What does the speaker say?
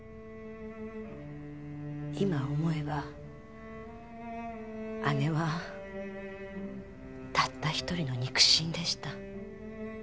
今思えば姉はたった一人の肉親でした。